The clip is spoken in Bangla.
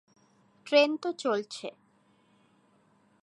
ট্রেন তো চলছে।